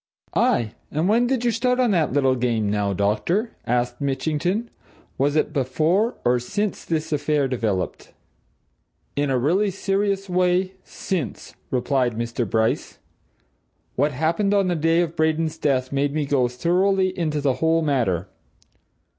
"Aye and when did you start on that little game, now, doctor?" asked Mitchington. "Was it before, or since, this affair developed?" "In a really serious way since," replied Bryce. "What happened on the day of Braden's death made me go thoroughly into the whole matter.